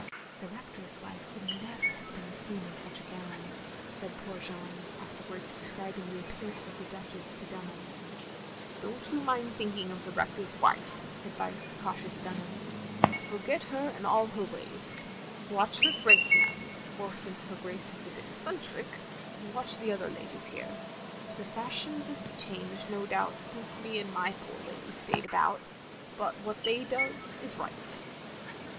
"The Rector's wife would never have been seen in such a gown,'* said poor Jeanne, after wards describing the appearance of the Duchess to Dtinham. "Don't you mind thinking of the Rector's wife," advised the cautious Dunham. "Forget her and all her ways. Watch her Grace, ma'am; or since her Grace is a bit eccentric, watch the other ladies here. The fashions is changed, no doubt, since me and my poor lady stayed about, but what they does, is right.'